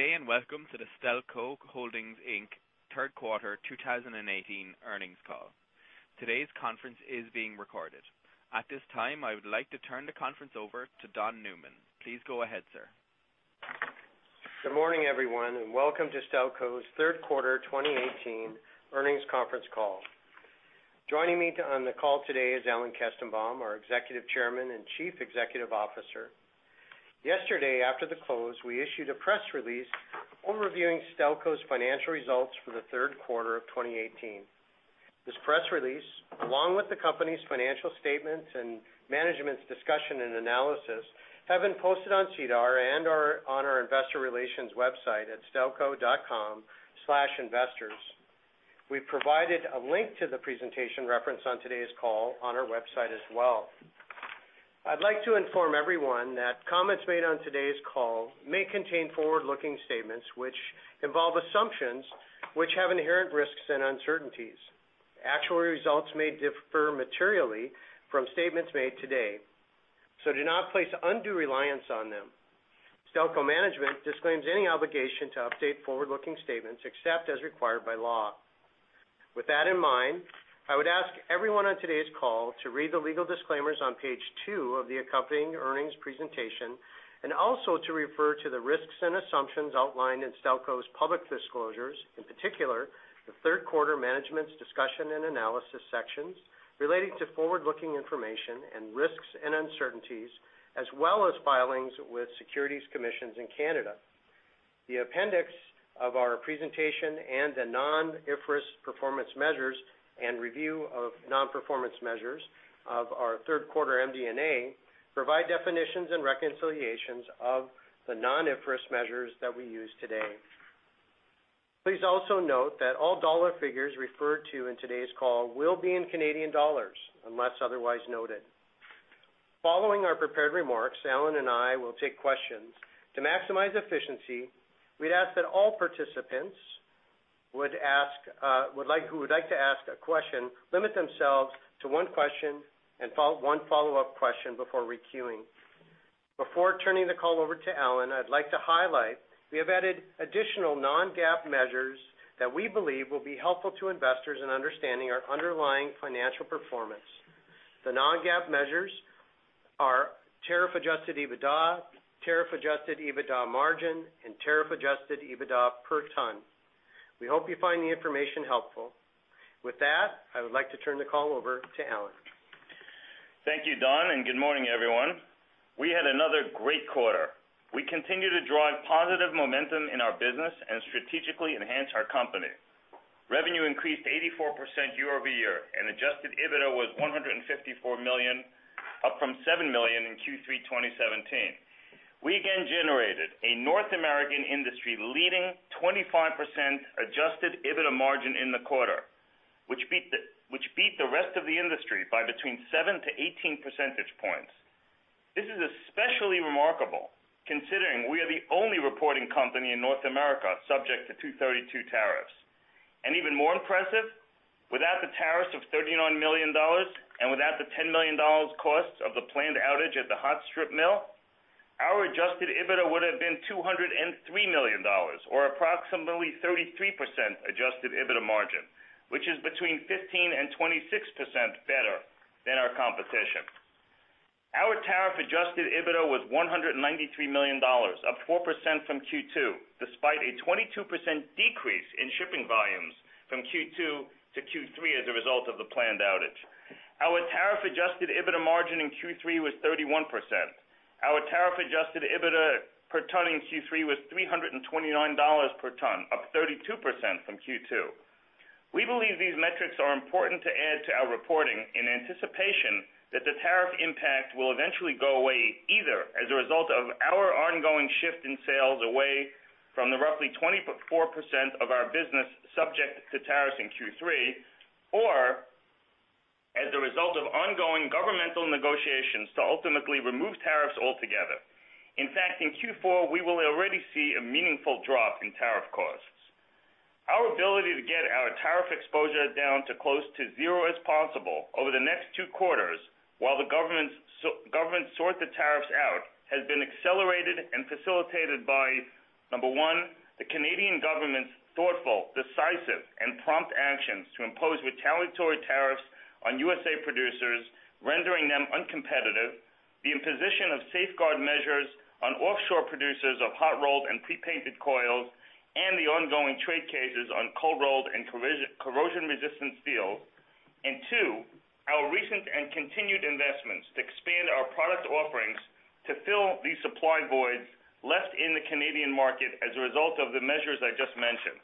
Good day, welcome to the Stelco Holdings Inc. third quarter 2018 earnings call. Today's conference is being recorded. At this time, I would like to turn the conference over to Don Newman. Please go ahead, sir. Good morning, everyone, welcome to Stelco's third quarter 2018 earnings conference call. Joining me on the call today is Alan Kestenbaum, our Executive Chairman and Chief Executive Officer. Yesterday, after the close, we issued a press release overviewing Stelco's financial results for the third quarter of 2018. This press release, along with the company's financial statements and Management's Discussion and Analysis, have been posted on SEDAR and on our investor relations website at stelco.com/investors. We've provided a link to the presentation reference on today's call on our website as well. I'd like to inform everyone that comments made on today's call may contain forward-looking statements which involve assumptions which have inherent risks and uncertainties. Actual results may differ materially from statements made today, do not place undue reliance on them. Stelco management disclaims any obligation to update forward-looking statements except as required by law. With that in mind, I would ask everyone on today's call to read the legal disclaimers on page two of the accompanying earnings presentation, also to refer to the risks and assumptions outlined in Stelco's public disclosures, in particular, the third quarter Management's Discussion and Analysis sections relating to forward-looking information and risks and uncertainties, as well as filings with securities commissions in Canada. The appendix of our presentation, the non-IFRS performance measures and review of non-performance measures of our third quarter MD&A provide definitions and reconciliations of the non-IFRS measures that we use today. Please also note that all dollar figures referred to in today's call will be in Canadian dollars unless otherwise noted. Following our prepared remarks, Alan and I will take questions. To maximize efficiency, we'd ask that all participants who would like to ask a question limit themselves to one question and one follow-up question before re-queuing. Before turning the call over to Alan, I'd like to highlight we have added additional non-GAAP measures that we believe will be helpful to investors in understanding our underlying financial performance. The non-GAAP measures are tariff-adjusted EBITDA, tariff-adjusted EBITDA margin, and tariff-adjusted EBITDA per ton. We hope you find the information helpful. With that, I would like to turn the call over to Alan. Thank you, Don, and good morning, everyone. We had another great quarter. We continue to drive positive momentum in our business and strategically enhance our company. Revenue increased 84% year-over-year, and adjusted EBITDA was 154 million, up from 7 million in Q3 2017. We again generated a North American industry-leading 25% adjusted EBITDA margin in the quarter, which beat the rest of the industry by between 7 to 18 percentage points. This is especially remarkable considering we are the only reporting company in North America subject to 232 tariffs. Even more impressive, without the tariffs of 39 million dollars and without the 10 million dollars cost of the planned outage at the hot strip mill, our adjusted EBITDA would have been 203 million dollars, or approximately 33% adjusted EBITDA margin, which is between 15% and 26% better than our competition. Our tariff-adjusted EBITDA was 193 million dollars, up 4% from Q2, despite a 22% decrease in shipping volumes from Q2 to Q3 as a result of the planned outage. Our tariff-adjusted EBITDA margin in Q3 was 31%. Our tariff-adjusted EBITDA per ton in Q3 was 329 dollars per ton, up 32% from Q2. We believe these metrics are important to add to our reporting in anticipation that the tariff impact will eventually go away, either as a result of our ongoing shift in sales away from the roughly 24% of our business subject to tariffs in Q3, or as a result of ongoing governmental negotiations to ultimately remove tariffs altogether. In fact, in Q4, we will already see a meaningful drop in tariff costs. Our ability to get our tariff exposure down to close to zero as possible over the next two quarters while the government sort the tariffs out, has been accelerated and facilitated by, number one, the Canadian government's thoughtful, decisive, and prompt actions to impose retaliatory tariffs on USA producers, rendering them uncompetitive, the imposition of safeguard measures on offshore producers of hot-rolled and pre-painted coils, and the ongoing trade cases on cold-rolled and corrosion-resistant steel. Two, our recent and continued investments to expand our product offerings to fill these supply voids left in the Canadian market as a result of the measures I just mentioned,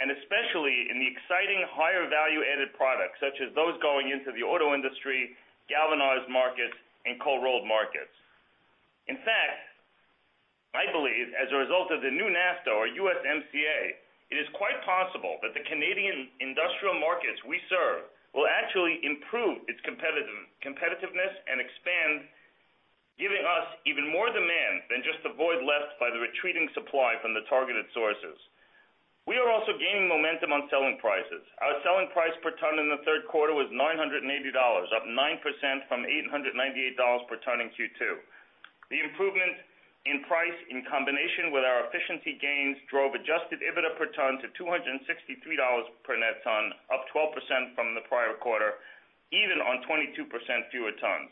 and especially in the exciting higher value-added products, such as those going into the auto industry, galvanized markets, and cold-rolled markets. In fact, I believe as a result of the new NAFTA or USMCA, it is quite possible that the Canadian industrial markets we serve will actually improve its competitiveness and expand, giving us even more demand than just the void left by the retreating supply from the targeted sources. We are also gaining momentum on selling prices. Our selling price per ton in the third quarter was 980 dollars, up 9% from 898 dollars per ton in Q2. The improvement in price in combination with our efficiency gains drove adjusted EBITDA per ton to 263 dollars per net ton, up 12% from the prior quarter, even on 22% fewer tons.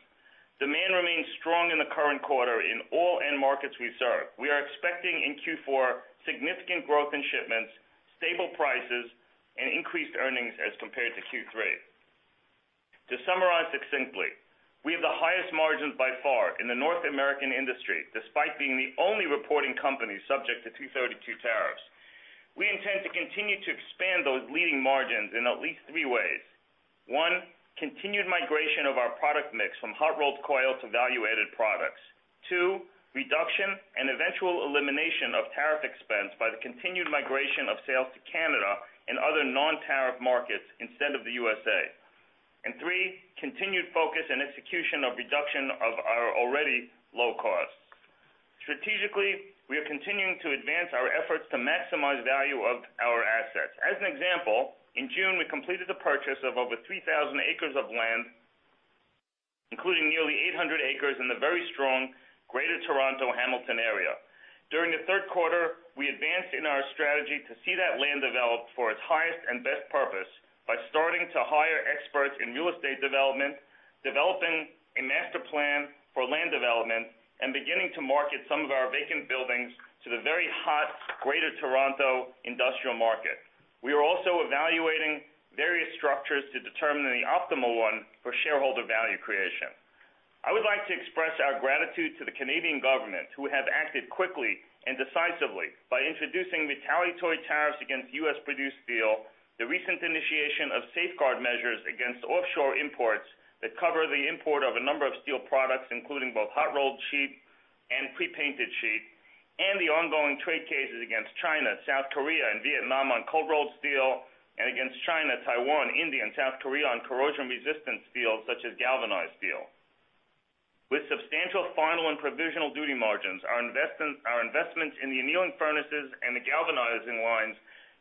Demand remains strong in the current quarter in all end markets we serve. We are expecting in Q4 significant growth in shipments, stable prices, and increased earnings as compared to Q3. To summarize succinctly, we have the highest margins by far in the North American industry, despite being the only reporting company subject to 232 tariffs. We intend to continue to expand those leading margins in at least three ways. One, continued migration of our product mix from hot-rolled coil to value-added products. Two, reduction and eventual elimination of tariff expense by the continued migration of sales to Canada and other non-tariff markets instead of the U.S.A. Three, continued focus and execution of reduction of our already low costs. Strategically, we are continuing to advance our efforts to maximize value of our assets. As an example, in June, we completed the purchase of over 3,000 acres of land, including nearly 800 acres in the very strong Greater Toronto Hamilton Area. During the third quarter, we advanced in our strategy to see that land developed for its highest and best purpose by starting to hire experts in real estate development, developing a master plan for land development, and beginning to market some of our vacant buildings to the very hot Greater Toronto industrial market. We are also evaluating various structures to determine the optimal one for shareholder value creation. I would like to express our gratitude to the Canadian government, who have acted quickly and decisively by introducing retaliatory tariffs against U.S.-produced steel, the recent initiation of safeguard measures against offshore imports that cover the import of a number of steel products, including both hot-rolled sheet and pre-painted sheet, and the ongoing trade cases against China, South Korea, and Vietnam on cold-rolled steel, and against China, Taiwan, India, and South Korea on corrosion-resistant steel, such as galvanized steel. With substantial final and provisional duty margins, our investments in the annealing furnaces and the galvanizing lines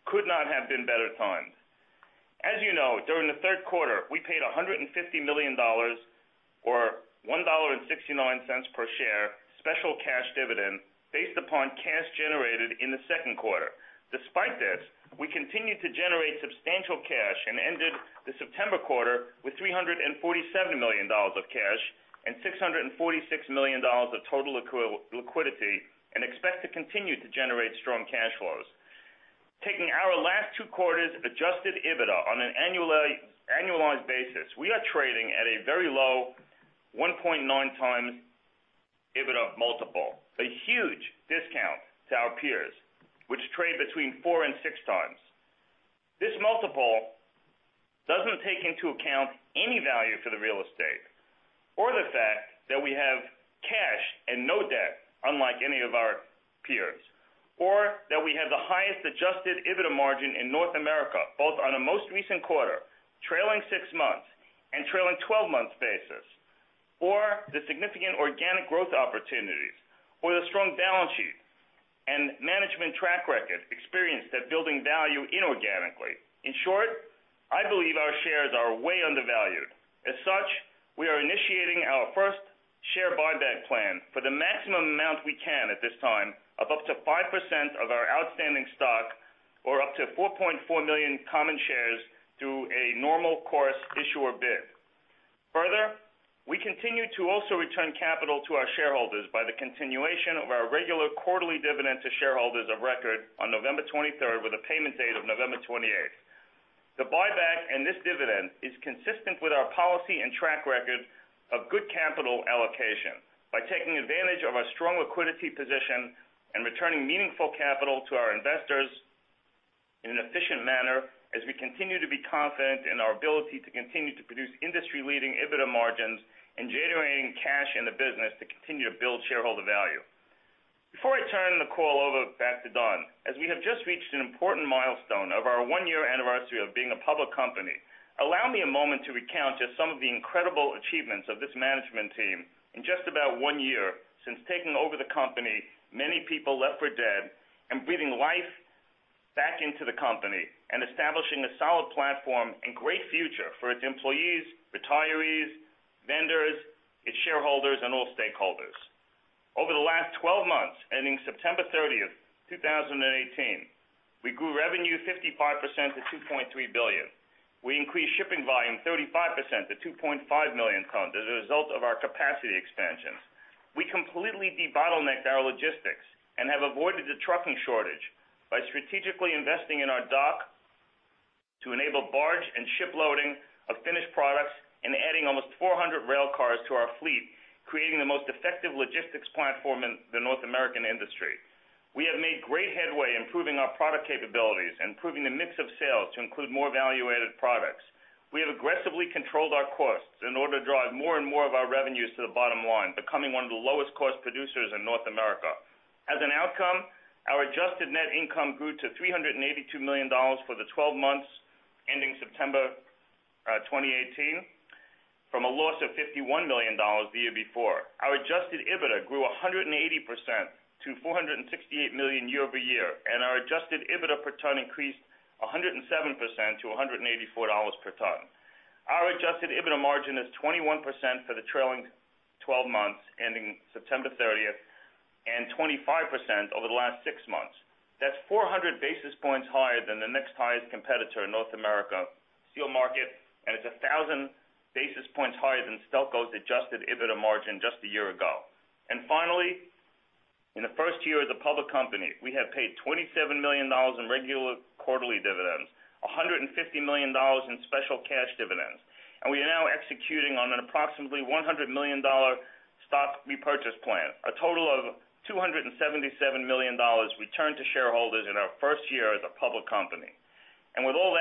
could not have been better timed. As you know, during the third quarter, we paid 150 million dollars or 1.69 dollar per share special cash dividend based upon cash generated in the second quarter. Despite this, we continued to generate substantial cash and ended the September quarter with 347 million dollars of cash and 646 million dollars of total liquidity and expect to continue to generate strong cash flows. Taking our last two quarters of adjusted EBITDA on an annualized basis, we are trading at a very low 1.9x EBITDA multiple, a huge discount to our peers, which trade between four and six times. This multiple doesn't take into account any value for the real estate or the fact that we have cash and no debt, unlike any of our peers, or that we have the highest adjusted EBITDA margin in North America, both on a most recent quarter, trailing six months, and trailing 12 months basis, or the significant organic growth opportunities or the strong balance sheet and management track record experience at building value inorganically. In short, I believe our shares are way undervalued. As such, we are initiating our first share buyback plan for the maximum amount we can at this time of up to 5% of our outstanding stock or up to 4.4 million common shares through a normal course issuer bid. Further, we continue to also return capital to our shareholders by the continuation of our regular quarterly dividend to shareholders of record on November 23 with a payment date of November 28. The buyback and this dividend is consistent with our policy and track record of good capital allocation by taking advantage of our strong liquidity position and returning meaningful capital to our investors in an efficient manner as we continue to be confident in our ability to continue to produce industry-leading EBITDA margins and generating cash in the business to continue to build shareholder value. Before I turn the call over back to Don, as we have just reached an important milestone of our one-year anniversary of being a public company, allow me a moment to recount just some of the incredible achievements of this management team in just about one year since taking over the company many people left for dead and breathing life back into the company and establishing a solid platform and great future for its employees, retirees, vendors, its shareholders, and all stakeholders. Over the last 12 months, ending September 30, 2018, we grew revenue 55% to 2.3 billion. We increased shipping volume 35% to 2.5 million tons as a result of our capacity expansions. We completely debottlenecked our logistics and have avoided the trucking shortage by strategically investing in our dock to enable barge and ship loading of finished products and adding almost 400 rail cars to our fleet, creating the most effective logistics platform in the North American industry. We have made great headway improving our product capabilities and improving the mix of sales to include more value-added products. We have aggressively controlled our costs in order to drive more and more of our revenues to the bottom line, becoming one of the lowest cost producers in North America. As an outcome, our adjusted net income grew to 382 million dollars for the 12 months September 2018, from a loss of 51 million dollars the year before. Our adjusted EBITDA grew 180% to 468 million year-over-year, and our adjusted EBITDA per ton increased 107% to 184 dollars per ton. Our adjusted EBITDA margin is 21% for the trailing 12 months, ending September 30, and 25% over the last six months. That's 400 basis points higher than the next highest competitor in North America steel market, and it's 1,000 basis points higher than Stelco's adjusted EBITDA margin just a year ago. Finally, in the first year as a public company, we have paid 27 million dollars in regular quarterly dividends, 150 million dollars in special cash dividends, and we are now executing on an approximately 100 million dollar stock repurchase plan, a total of 277 million dollars returned to shareholders in our first year as a public company. With all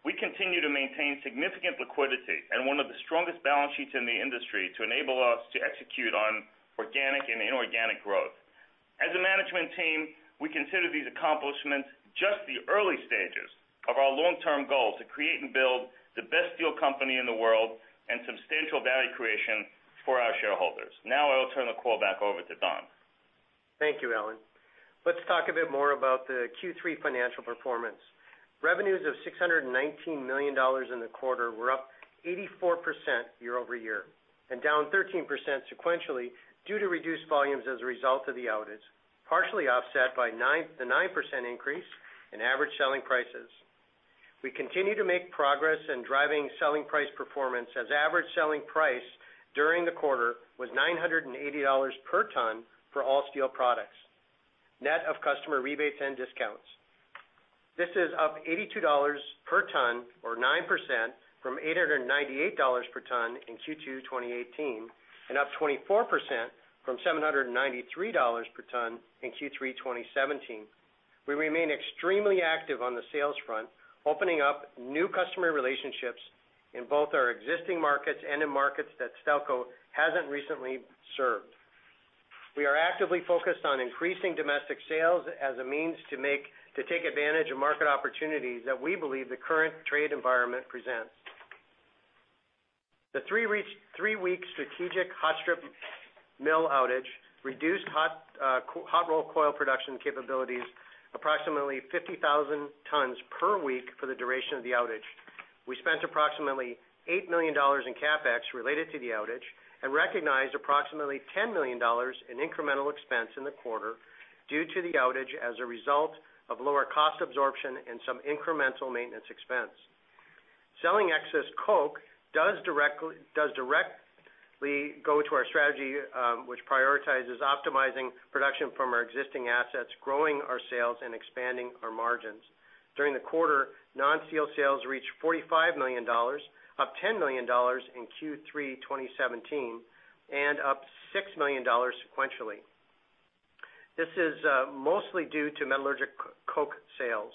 that, we continue to maintain significant liquidity and one of the strongest balance sheets in the industry to enable us to execute on organic and inorganic growth. As a management team, we consider these accomplishments just the early stages of our long-term goal to create and build the best steel company in the world and substantial value creation for our shareholders. I will turn the call back over to Don. Thank you, Alan. Let's talk a bit more about the Q3 financial performance. Revenues of 619 million dollars in the quarter were up 84% year-over-year, down 13% sequentially due to reduced volumes as a result of the outage, partially offset by the 9% increase in average selling prices. We continue to make progress in driving selling price performance, as average selling price during the quarter was 980 dollars per ton for all steel products, net of customer rebates and discounts. This is up 82 dollars per ton or 9% from 898 dollars per ton in Q2 2018, up 24% from 793 dollars per ton in Q3 2017. We remain extremely active on the sales front, opening up new customer relationships in both our existing markets and in markets that Stelco hasn't recently served. We are actively focused on increasing domestic sales as a means to take advantage of market opportunities that we believe the current trade environment presents. The three-week strategic hot strip mill outage reduced hot-rolled coil production capabilities approximately 50,000 tons per week for the duration of the outage. We spent approximately 8 million dollars in CapEx related to the outage and recognized approximately 10 million dollars in incremental expense in the quarter due to the outage as a result of lower cost absorption and some incremental maintenance expense. Selling excess coke does directly go to our strategy, which prioritizes optimizing production from our existing assets, growing our sales, and expanding our margins. During the quarter, non-steel sales reached 45 million dollars, up 10 million dollars in Q3 2017, up 6 million dollars sequentially. This is mostly due to metallurgical coke sales.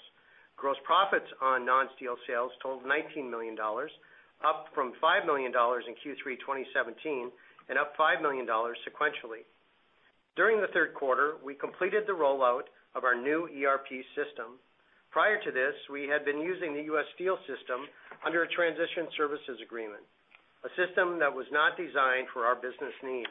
Gross profits on non-steel sales totaled 19 million dollars, up from 5 million dollars in Q3 2017, up 5 million dollars sequentially. During the third quarter, we completed the rollout of our new ERP system. Prior to this, we had been using the U.S. Steel system under a transition services agreement, a system that was not designed for our business needs.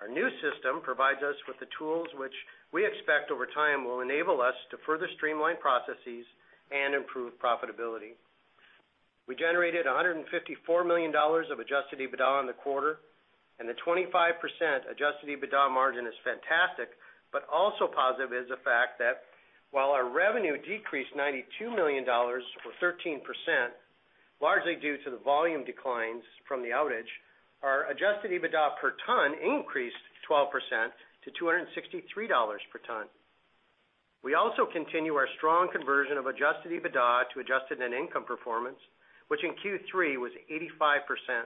Our new system provides us with the tools which we expect over time will enable us to further streamline processes and improve profitability. We generated 154 million dollars of adjusted EBITDA in the quarter, the 25% adjusted EBITDA margin is fantastic, also positive is the fact that while our revenue decreased 92 million dollars or 13%, largely due to the volume declines from the outage, our adjusted EBITDA per ton increased 12% to 263 dollars per ton. We also continue our strong conversion of adjusted EBITDA to adjusted net income performance, which in Q3 was 85%.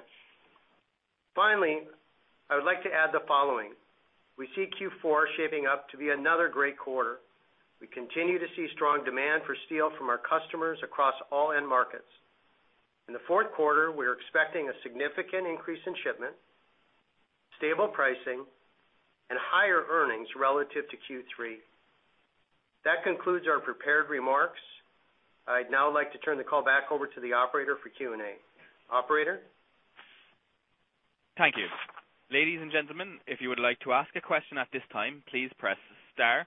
Finally, I would like to add the following. We see Q4 shaping up to be another great quarter. We continue to see strong demand for steel from our customers across all end markets. In the fourth quarter, we are expecting a significant increase in shipment, stable pricing, and higher earnings relative to Q3. That concludes our prepared remarks. I'd now like to turn the call back over to the operator for Q&A. Operator? Thank you. Ladies and gentlemen, if you would like to ask a question at this time, please press star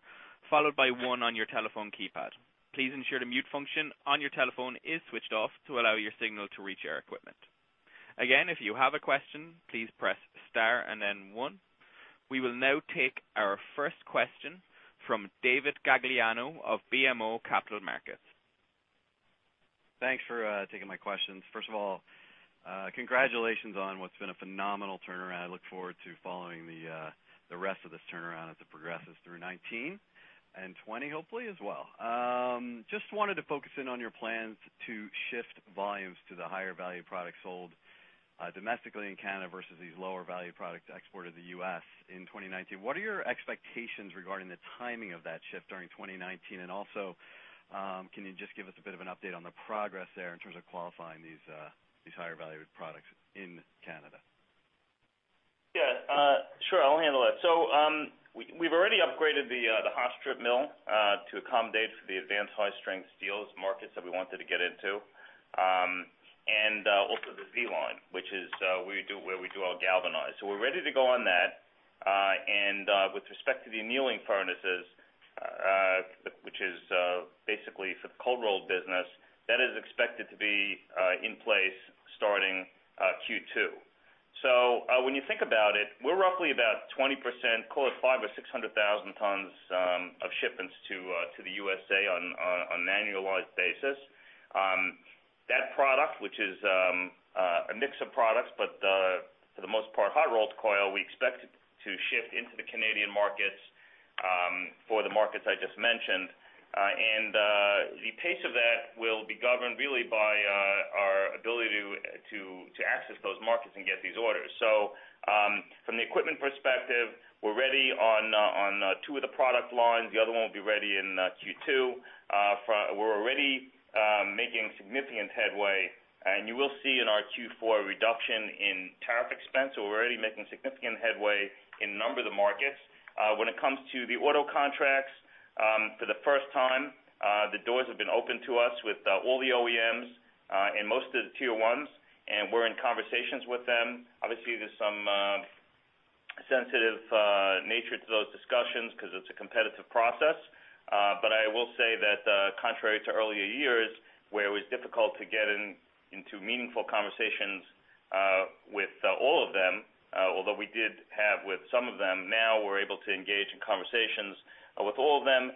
followed by one on your telephone keypad. Please ensure the mute function on your telephone is switched off to allow your signal to reach our equipment. Again, if you have a question, please press star and then one. We will now take our first question from David Gagliano of BMO Capital Markets. Thanks for taking my questions. First of all, congratulations on what's been a phenomenal turnaround. I look forward to following the rest of this turnaround as it progresses through 2019, and 2020, hopefully, as well. Just wanted to focus in on your plans to shift volumes to the higher-value products sold domestically in Canada versus these lower-value products exported to the U.S. in 2019. What are your expectations regarding the timing of that shift during 2019? Also, can you just give us a bit of an update on the progress there in terms of qualifying these higher-valued products in Canada? Yeah. Sure, I'll handle that. We've already upgraded the hot strip mill, to accommodate for the advanced high-strength steels markets that we wanted to get into. Also the Z-Line, which is where we do all galvanize. We're ready to go on that. With respect to the annealing furnaces, which is basically for the cold-rolled business, that is expected to be in place starting Q2. When you think about it, we're roughly about 20%, call it five or 600,000 tons of shipments to the U.S. on an annualized basis. That product, which is a mix of products, but for the most part, hot-rolled coil, we expect to ship into the Canadian markets for the markets I just mentioned. The pace of that will be governed really by our ability to access those markets and get these orders. From the equipment perspective, we're ready on two of the product lines. The other one will be ready in Q2. We're already making significant headway, and you will see in our Q4 a reduction in tariff expense. We're already making significant headway in a number of the markets. When it comes to the auto contracts, for the first time, the doors have been open to us with all the OEMs, and most of the tier 1s, and we're in conversations with them. Obviously, there's some sensitive nature to those discussions because it's a competitive process. I will say that contrary to earlier years, where it was difficult to get into meaningful conversations with all of them, although we did have with some of them, now we're able to engage in conversations with all of them.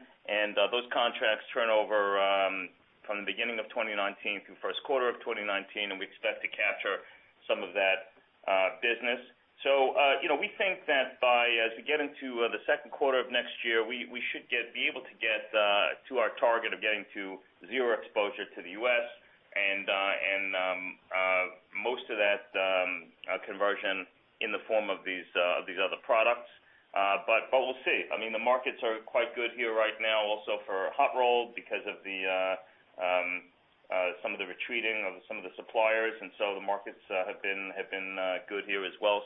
Those contracts turn over from the beginning of 2019 through first quarter of 2019, and we expect to capture some of that business. We think that as we get into the second quarter of next year, we should be able to get to our target of getting to 0 exposure to the U.S. and most of that conversion in the form of these other products. We'll see. The markets are quite good here right now also for hot-rolled because of some of the retreating of some of the suppliers, and the markets have been good here as well.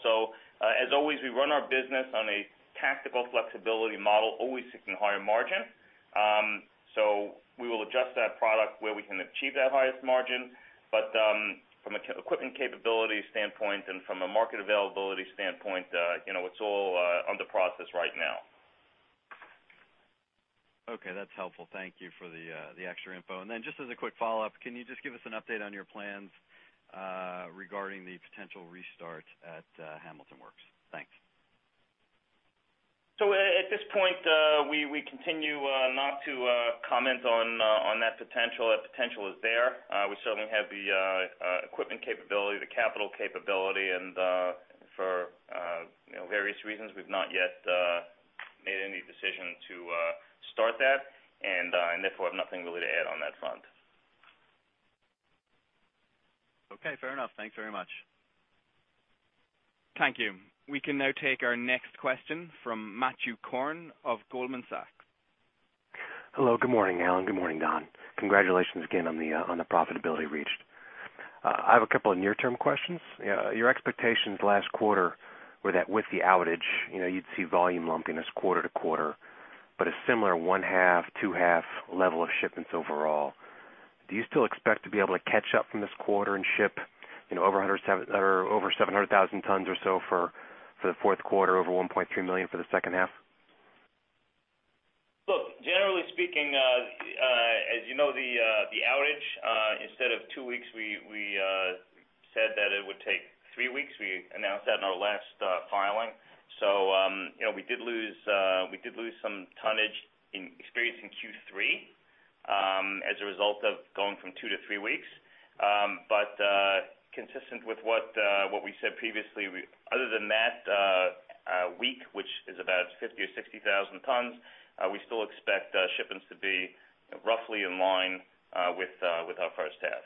As always, we run our business on a tactical flexibility model, always seeking higher margin. We will adjust that product where we can achieve that highest margin. From an equipment capability standpoint and from a market availability standpoint, it's all under process right now. Okay, that's helpful. Thank you for the extra info. Just as a quick follow-up, can you just give us an update on your plans regarding the potential restart at Hamilton Works? Thanks. At this point, we continue not to comment on that potential. That potential is there. We certainly have the equipment capability, the capital capability, for various reasons, we've not yet made any decision to start that, therefore have nothing really to add on that front. Okay, fair enough. Thanks very much. Thank you. We can now take our next question from Matthew Korn of Goldman Sachs. Hello, good morning, Alan. Good morning, Don. Congratulations again on the profitability reached. I have a couple of near-term questions. Your expectations last quarter were that with the outage, you'd see volume lumpiness quarter-to-quarter, but a similar one half, two half level of shipments overall. Do you still expect to be able to catch up from this quarter and ship over 700,000 tons or so for the fourth quarter, over 1.3 million for the second half? Look, generally speaking, as you know the outage, instead of two weeks, we said that it would take three weeks. We announced that in our last filing. We did lose some tonnage experienced in Q3, as a result of going from two to three weeks. Consistent with what we said previously, other than that week, which is about 50,000 or 60,000 tons, we still expect shipments to be roughly in line with our first half.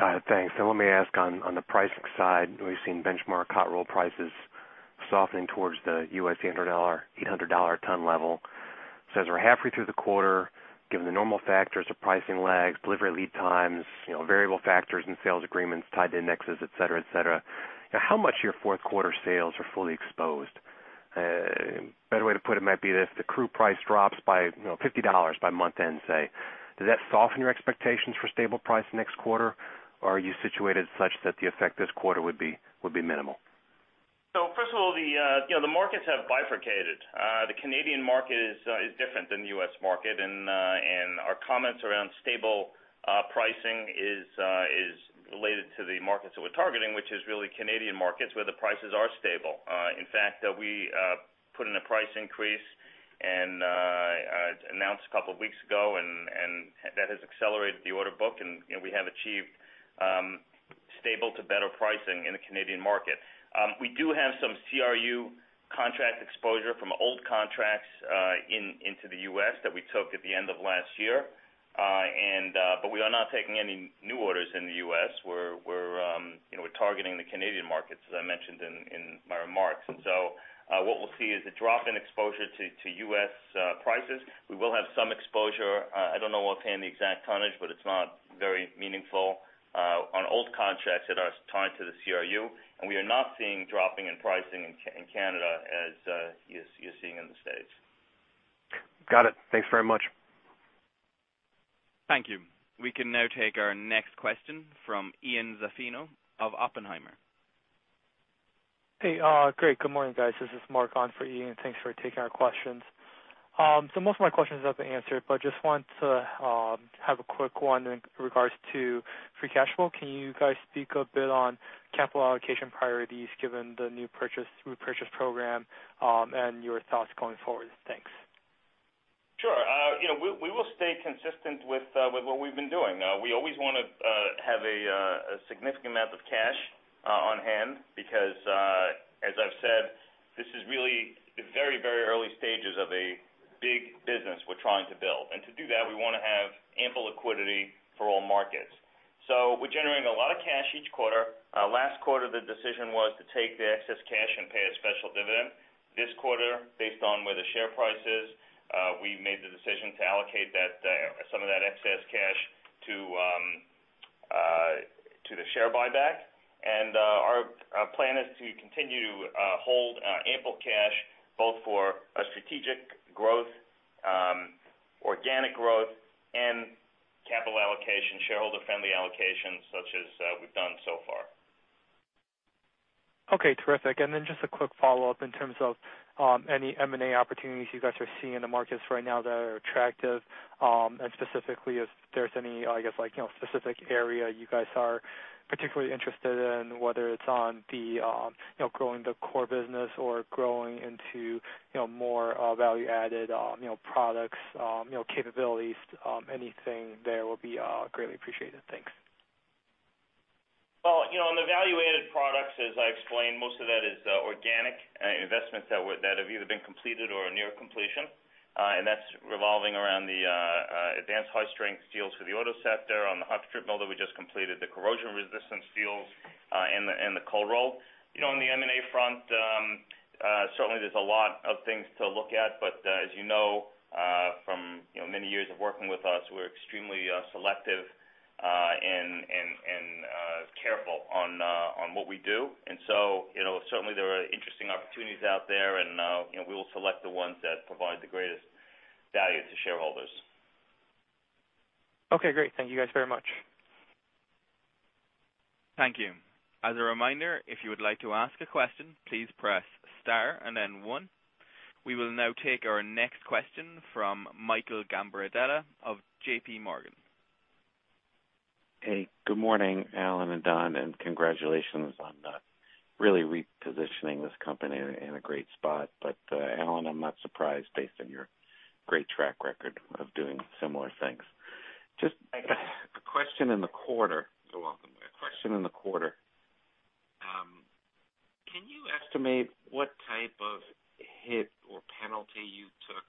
Got it, thanks. Let me ask on the pricing side, we've seen benchmark hot-roll prices softening towards the US $800/ton level. As we're halfway through the quarter, given the normal factors of pricing lags, delivery lead times, variable factors and sales agreements, tied indexes, et cetera. How much of your fourth quarter sales are fully exposed? Better way to put it might be this, the CRU price drops by 50 dollars by month end, say. Does that soften your expectations for stable price next quarter? Are you situated such that the effect this quarter would be minimal? First of all, the markets have bifurcated. The Canadian market is different than the U.S. market, our comments around stable pricing is related to the markets that we're targeting, which is really Canadian markets where the prices are stable. In fact, we put in a price increase announced a couple of weeks ago, that has accelerated the order book, we have achieved stable to better pricing in the Canadian market. We do have some CRU contract exposure from old contracts into the U.S. that we took at the end of last year. We are not taking any new orders in the U.S. We're targeting the Canadian markets, as I mentioned in our remarks. What we'll see is a drop in exposure to U.S. prices. We will have some exposure. I don't know offhand the exact tonnage, it's not very meaningful on old contracts that are tied to the CRU, we are not seeing dropping in pricing in Canada as you're seeing in the U.S. Got it. Thanks very much. Thank you. We can now take our next question from Ian Zaffino of Oppenheimer. Hey, great. Good morning, guys. This is Mark on for Ian. Thanks for taking our questions. Most of my questions have been answered, but just want to have a quick one in regards to free cash flow. Can you guys speak a bit on capital allocation priorities given the new repurchase program, and your thoughts going forward? Thanks. Sure. We will stay consistent with what we've been doing. We always want to have a significant amount of cash on hand because, as I've said, this is really the very early stages of a big business we're trying to build. To do that, we want to have ample liquidity for all markets. We're generating a lot of cash each quarter. Last quarter, the decision was to take the excess cash and pay a special dividend. This quarter, based on where the share price is, we made the decision to allocate some of that excess cash to the share buyback, and our plan is to continue to hold ample cash both for strategic growth, organic growth, and capital allocation, shareholder-friendly allocation such as we've done so far. Okay, terrific. Then just a quick follow-up in terms of any M&A opportunities you guys are seeing in the markets right now that are attractive. Specifically, if there's any, I guess specific area you guys are particularly interested in, whether it's on growing the core business or growing into more value-added products, capabilities, anything there will be greatly appreciated. Thanks. On the value-added products, as I explained, most of that is organic investments that have either been completed or are near completion. That's revolving around the advanced high-strength steels for the auto sector, on the hot strip mill that we just completed, the corrosion-resistant steels, and the cold roll. On the M&A front, certainly there's a lot of things to look at, as you know from many years of working with us, we're extremely selective and careful on what we do. Certainly there are interesting opportunities out there, and we will select the ones that provide the greatest value to shareholders. Okay, great. Thank you guys very much. Thank you. As a reminder, if you would like to ask a question, please press star and then one. We will now take our next question from Michael Gambardella of JPMorgan. Hey, good morning, Alan and Don, congratulations on really repositioning this company in a great spot. Alan, I'm not surprised based on your great track record of doing similar things. Just a question on the quarter. Can you estimate what type of hit or penalty you took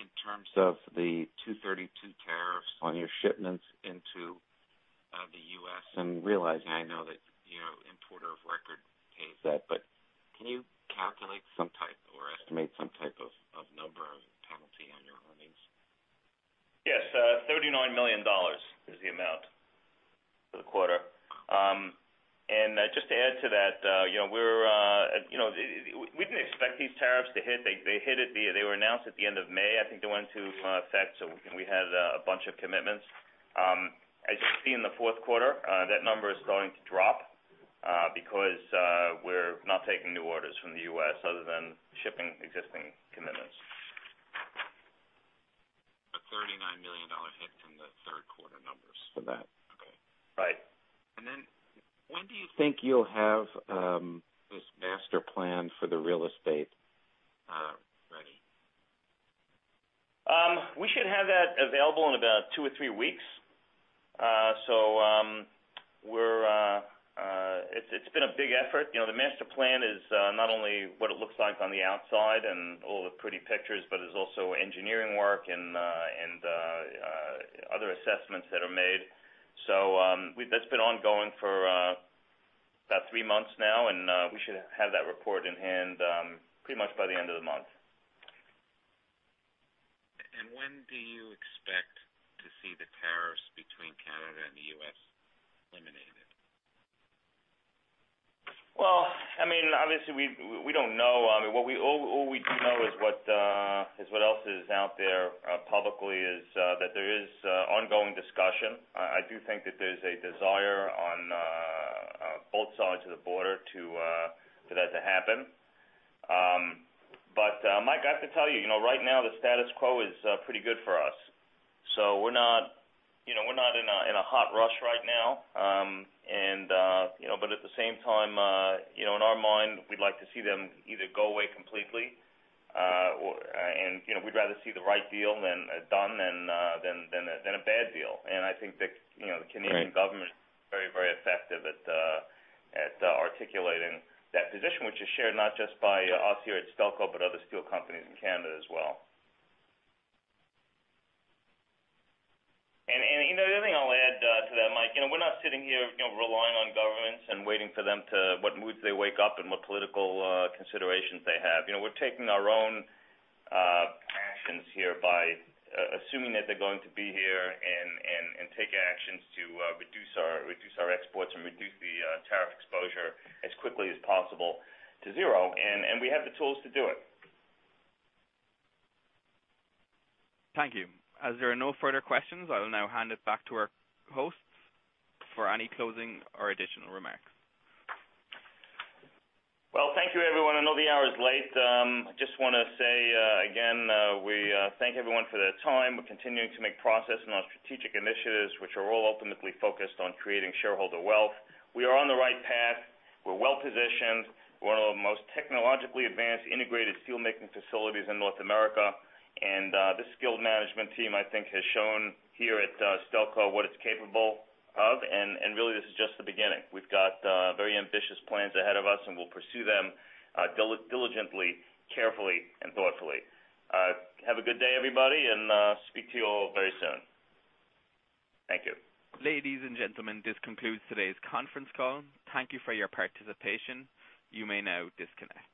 in terms of the 232 tariffs on your shipments into the U.S., realizing I know that importer of record pays that, can you calculate some type or estimate some type of number or penalty on your earnings? Yes, 39 million dollars is the amount for the quarter. Just to add to that, we didn't expect these tariffs to hit. They were announced at the end of May. I think they went to effect, so we had a bunch of commitments. As you'll see in the fourth quarter, that number is going to drop because we're not taking new orders from the U.S. other than shipping existing commitments. A 39 million dollar hit in the third quarter numbers for that. Okay. Right. When do you think you'll have this master plan for the real estate ready? We should have that available in about two or three weeks. It's been a big effort. The master plan is not only what it looks like on the outside and all the pretty pictures, but it's also engineering work and other assessments that are made. That's been ongoing for about three months now, and we should have that report in hand pretty much by the end of the month. When do you expect to see the tariffs between Canada and the U.S. eliminated? Well, obviously, we don't know. All we do know is what else is out there publicly is that there is ongoing discussion. I do think that there's a desire on both sides of the border for that to happen. Mike, I have to tell you, right now the status quo is pretty good for us. We're not in a hot rush right now. At the same time, in our mind, we'd like to see them either go away completely, and we'd rather see the right deal done than a bad deal. Right Canadian government is very effective at articulating that position, which is shared not just by us here at Stelco, but other steel companies in Canada as well. The other thing I'll add to that, Mike, we're not sitting here relying on governments and waiting for them to what moods they wake up and what political considerations they have. We're taking our own actions here by assuming that they're going to be here and take actions to reduce our exports and reduce the tariff exposure as quickly as possible to zero, and we have the tools to do it. Thank you. As there are no further questions, I will now hand it back to our hosts for any closing or additional remarks. Well, thank you everyone. I know the hour is late. I just want to say, again, we thank everyone for their time. We're continuing to make progress on our strategic initiatives, which are all ultimately focused on creating shareholder wealth. We are on the right path. We're well-positioned. We're one of the most technologically advanced integrated steelmaking facilities in North America. This skilled management team, I think, has shown here at Stelco what it's capable of, and really, this is just the beginning. We've got very ambitious plans ahead of us, and we'll pursue them diligently, carefully, and thoughtfully. Have a good day, everybody, and speak to you all very soon. Thank you. Ladies and gentlemen, this concludes today's conference call. Thank you for your participation. You may now disconnect.